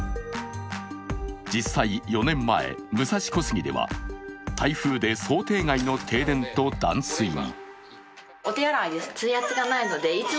実際、４年前、武蔵小杉では台風で想定外の停電と断水に。